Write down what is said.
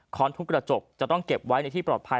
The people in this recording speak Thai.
ทุกกระจกจะต้องเก็บไว้ในที่ปลอดภัย